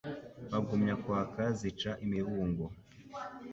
Bagumya kwaka zica imibungo